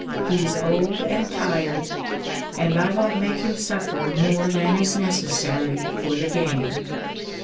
He's old and tired, and I won't make him suffer more than is necessary for the game."